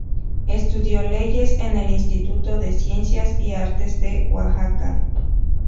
Estudió leyes en el Instituto de Ciencias y Artes de Oaxaca.